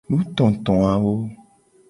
Nutotowawo.